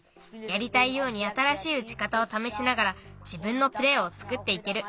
やりたいようにあたらしいうちかたをためしながらじぶんのプレーをつくっていける。